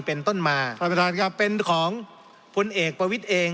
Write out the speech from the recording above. เป็นต้นมาเป็นของพลเอกประวิทธิ์เอง